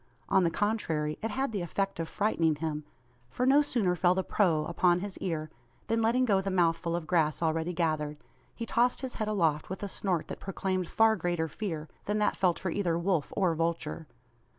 On the contrary, it had the effect of frightening him; for no sooner fell the "proh" upon his ear, than letting go the mouthful of grass already gathered, he tossed his head aloft with a snort that proclaimed far greater fear than that felt for either wolf or vulture!